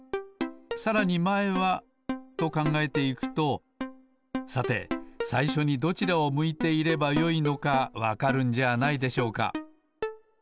さらにまえはとかんがえていくとさてさいしょにどちらを向いていればよいのかわかるんじゃないでしょうか。